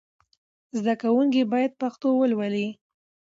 زدهکوونکي باید پښتو ولولي.